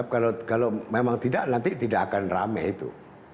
kalau memang tidak nanti tidak akan rame itu